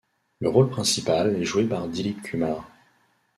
Le rôle principal est joué par Dilip Kumar.